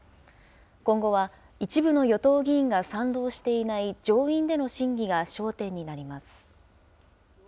今後は一部の与党議員が賛同していない上院での審議が焦点になります。